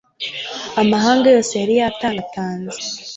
Amahanga yose yari yantangatanze